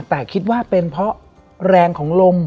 แต่คิดว่าเป็นเพราะแรงของลม